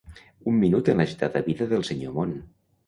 Un minut en l'agitada vida del senyor món.